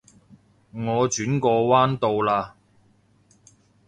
我轉個彎到啦